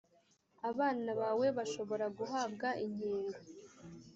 abana bawe bashobora guhabwa inkingo.